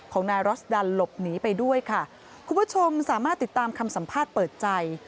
ของนายรอสดันหลบหนีไปด้วยค่ะคุณผู้ชมสามารถติดตามคำสัมภาษณ์เปิดใจ